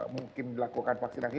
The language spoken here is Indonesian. mungkin dilakukan vaksinasi